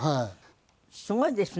すごいですね。